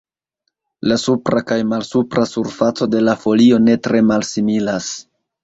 La supra kaj malsupra surfaco de la folio ne tre malsimilas.